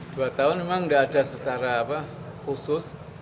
dua tahun memang tidak ada secara khusus